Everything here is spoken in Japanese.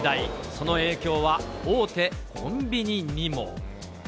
その影響は大手コンビニにも。